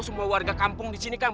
semua warga kampung disini kang